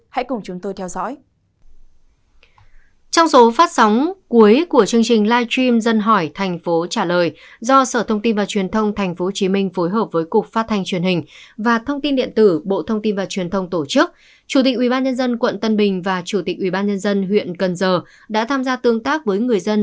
hãy cùng chúng tôi theo dõi